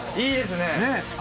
いいですね。